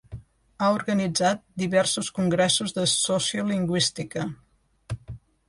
Ha organitzat diversos congressos de sociolingüística.